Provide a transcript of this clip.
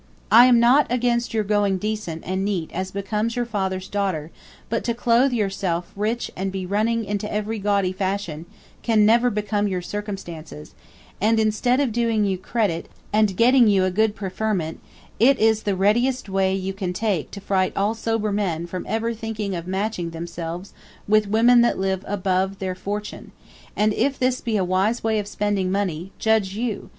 I am not against yr going decent & neate as becomes yr ffathers daughter but to clothe yrself rich & be running into every gaudy fashion can never become yr circumstances & instead of doing you creditt & getting you a good prefernt it is ye readiest way you can take to fright all sober men from ever thinking of matching thmselves with women that live above thyr fortune, & if this be a wise way of spending money judge you!